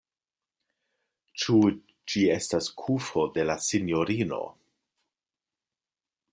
Ĉu ĝi estas kufo de la sinjorino.